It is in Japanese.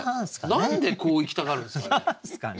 何でこういきたがるんですかね。